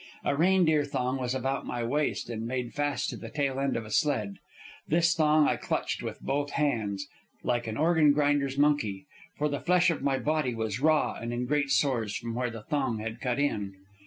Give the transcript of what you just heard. A reindeer thong was about my waist and made fast to the tail end of a sled. This thong I clutched with both hands, like an organ grinder's monkey; for the flesh of my body was raw and in great sores from where the thong had cut in.